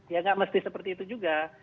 ya nggak mesti seperti itu juga